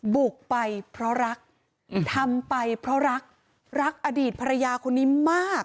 บุกไปเพราะรักทำไปเพราะรักรักอดีตภรรยาคนนี้มาก